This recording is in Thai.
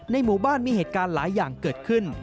หมู่บ้านมีเหตุการณ์หลายอย่างเกิดขึ้น